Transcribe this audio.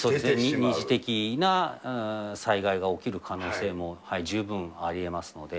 二次的な災害が起きる可能性も十分ありえますので。